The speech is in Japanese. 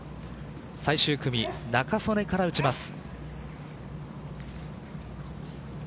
最終組、仲宗根から打ちます。